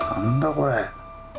これ。